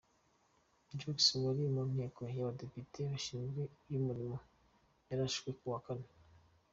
Jo Cox, yari mu Nteko y’Abadepite bashinzwe iby’ umurimo ,yarashwe kuwa Kane.